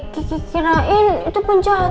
kiki kirain itu penjahat